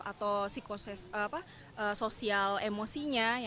atau sosial emosinya